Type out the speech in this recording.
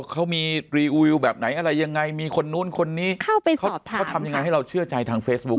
เขามีรีอูวิวแบบไหนอะไรยังไงมีคนนู้นคนนี้เข้าไปเขาทำยังไงให้เราเชื่อใจทางเฟซบุ๊ค